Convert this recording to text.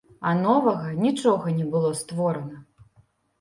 А новага нічога не было створана.